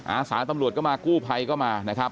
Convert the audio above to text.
อาสาตำรวจก็มากู้ภัยก็มานะครับ